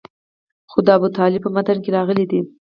خو د ابوطالب په متن کې راغلي دي.